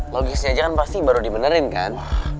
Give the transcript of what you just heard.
logisnya aja kan pasti baru dibenerin kan